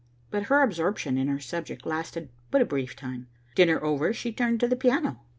But her absorption in her subject lasted but a brief time. Dinner over she turned to the piano.